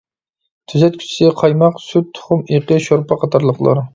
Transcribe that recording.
تۈزەتكۈچىسى قايماق، سۈت، تۇخۇم ئېقى، شورپا قاتارلىقلار.